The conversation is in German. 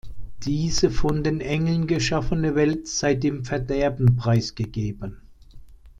Diese von den Engeln geschaffene Welt sei dem Verderben preisgegeben.